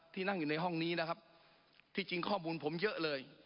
นั่งอยู่ในห้องนี้นะครับที่จริงข้อมูลผมเยอะเลย